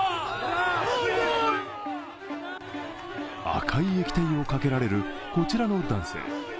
赤い液体をかけられる、こちらの男性。